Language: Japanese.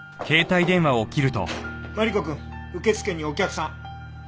マリコくん受付にお客さん。